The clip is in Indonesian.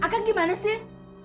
hai akan gimana sih